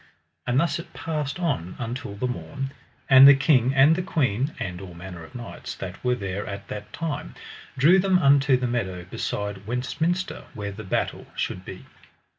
And thus it passed on until the morn, and the king and the queen and all manner of knights that were there at that time drew them unto the meadow beside Westminster where the battle should be.